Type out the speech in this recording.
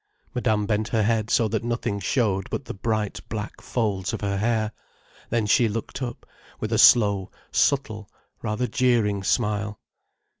Madame bent her head so that nothing showed but the bright black folds of her hair. Then she looked up, with a slow, subtle, rather jeering smile.